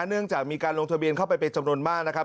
เนื่องจากมีการลงทะเบียนเข้าไปเป็นจำนวนมากนะครับ